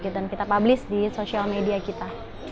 dan kita publish di social media kita